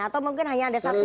atau mungkin hanya ada satu